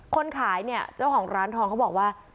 คนขายเนี่ยเจ้าของร้านทองเขาบอกว่า